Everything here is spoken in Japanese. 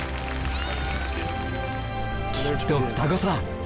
きっと双子さ。